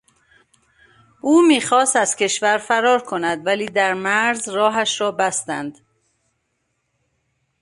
او میخواست از کشور فرار کند ولی در مرز راهش را بستند.